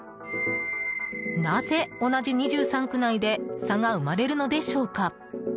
なぜ、同じ２３区内で差が生まれるのでしょうか。